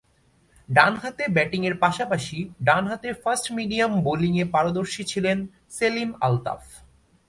ডানহাতে ব্যাটিংয়ের পাশাপাশি ডানহাতে ফাস্ট-মিডিয়াম বোলিংয়ে পারদর্শী ছিলেন সেলিম আলতাফ।